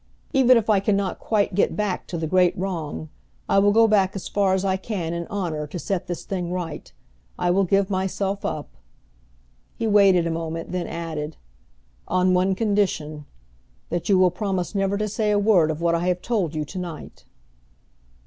"Even if I can not quite get back to the great wrong, I will go back as far as I can in honor to set this thing right. I will give myself up " He waited a moment, then added: "On one condition; that you will promise never to say a word of what I have told you to night."